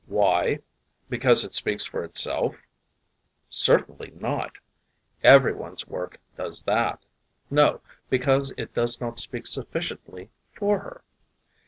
Why? Because it "speaks for itself"? Certainly not. Every one's work does that. No, because it does not speak sufficiently for her.